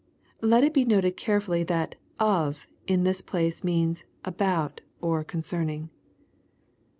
] Let it be noted carefully that "of" in this place ireans "about^" or "concerning."